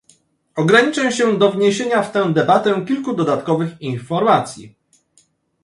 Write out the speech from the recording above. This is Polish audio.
Ograniczę się do wniesienia w tę debatę kilku dodatkowych informacji